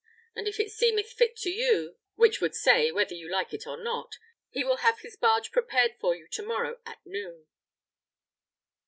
And if it seemeth fit to you (which would say, whether you like it or not) he will have his barge prepared for you to morrow at noon."